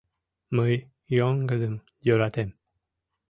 Мый йоҥгыдым йӧратем.